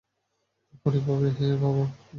কাল্পনিকভাবে, বাবা।